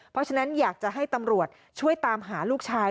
เพราะฉะนั้นอยากจะให้ตำรวจช่วยตามหาลูกชาย